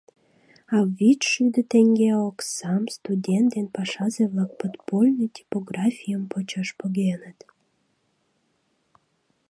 А вич шӱдӧ теҥге оксам студент ден пашазе-влак подпольный типографийым почаш погеныт.